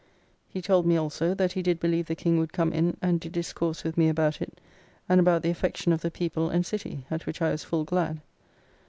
He told me also, that he did believe the King would come in, and did discourse with me about it, and about the affection of the people and City, at which I was full glad.